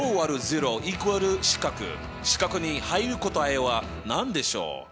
四角に入る答えは何でしょう？